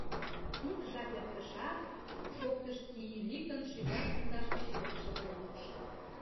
Ик жап эртышат, шоктыш Тииликын шӱгар пундаш гыч лекше гай йӱкшӧ: